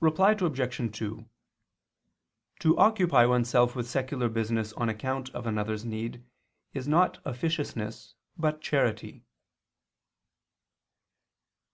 Reply Obj. 2: To occupy oneself with secular business on account of another's need is not officiousness but charity.